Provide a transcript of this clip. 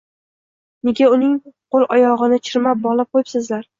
Nega uning qo`l-oyog`ini chirmab bog`lab qo`yibsizlar